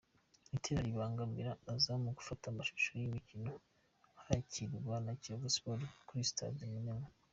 Itara ribangamira Azam gufata amashusho y'imikino yakirwa na Kiyovu Sport kuri sitade Mumena.